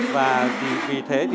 và vì thế thì có thể